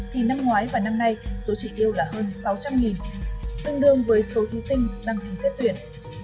thì năm ngoái và năm nay số chỉ tiêu là hơn sáu trăm linh tương đương với số thí sinh đăng ký xét tuyển